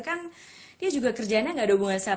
kan dia juga kerjaannya gak ada hubungan siapa